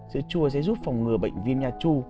sữa chua sẽ giúp phòng ngừa bệnh viêm nha chu